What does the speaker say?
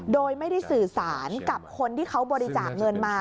โดยไม่ได้สื่อสารกับคนที่เขาบริจาคเงินมา